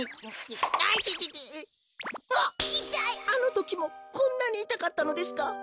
あのときもこんなにいたかったのですか。